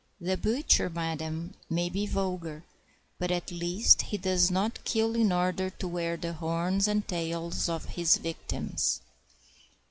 The butcher, madam, may be vulgar, but at least he does not kill in order to wear the horns and tails of his victims.